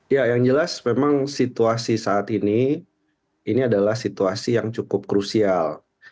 ya yang jelas memang situasi saat ini ini adalah situasi yang cukup krusial